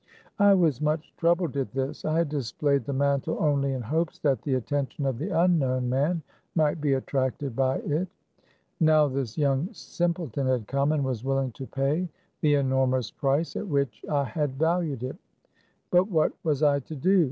I was much troubled at this. I had displayed the mantle only in hopes that the attention of the unknown man might be attracted by it. Now this young simpleton had come, and was willing 138 THE CAB AVAN. to pay the enormous price at which I had valued it. But what was I to do